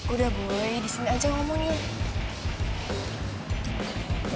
udah boy disini aja ngomong ya